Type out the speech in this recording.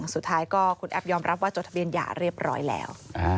สุดท้ายก็คุณแอฟยอมรับว่าจดทะเบียนหย่าเรียบร้อยแล้ว